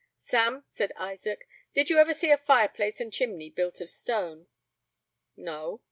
"Sam," said Isaac, "did you ever see a fireplace and chimney built of stone?" "No."